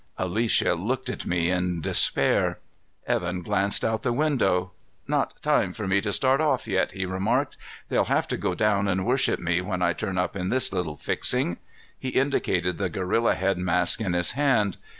Alicia looked at me in despair. Evan glanced out the window. "Not time for me to start off yet," he remarked. "They'll have to go down and worship me when I turn up in this little fixing." He indicated the gorilla head mask in his hand.